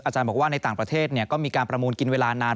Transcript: บอกว่าในต่างประเทศก็มีการประมูลกินเวลานาน